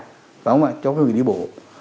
phải không ạ cho cái người đi bộ